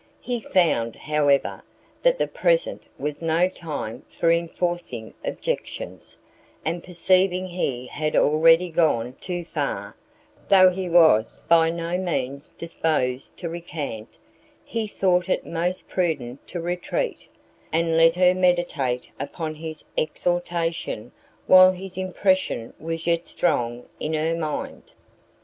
He found, however, that the present was no time for enforcing objections, and perceiving he had already gone too far, though he was by no means disposed to recant, he thought it most prudent to retreat, and let her meditate upon his exhortation while its impression was yet strong in her mind.